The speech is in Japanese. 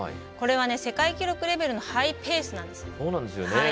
これは世界記録レベルのそうなんですよね。